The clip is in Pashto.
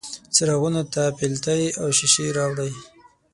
څراغونو ته پیلتې او ښیښې راوړي